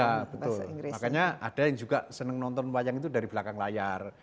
ya betul makanya ada yang juga senang nonton wayang itu dari belakang layar